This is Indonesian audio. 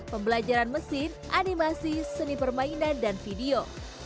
pembelajaran mesin animasi seni permainan dan video